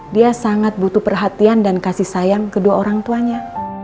dia sangat butuh perhatian dan kasih sayang kedua orang tuanya